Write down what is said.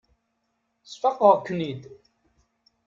Sfaqeɣ-ken-id.